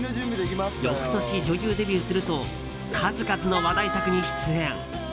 翌年、女優デビューすると数々の話題作に出演。